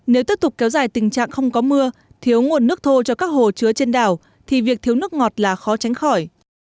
nếu tiếp tục kéo dài tình trạng không có mưa thiếu nguồn nước thô cho các hồ chứa trên đảo thì việc thiếu nước ngọt là khó tránh khỏi